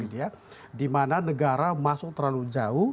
dimana negara masuk terlalu jauh